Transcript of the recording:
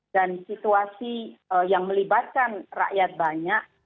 dan situasi yang melibatkan rakyat banyak